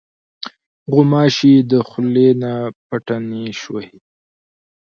غوماشې د خولې نه پټه نیش وهي.